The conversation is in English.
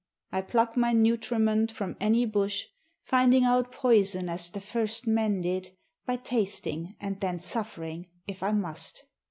I pluck my nutriment from any bush, Finding out poison as the first men did By tasting and then suffering, if I must.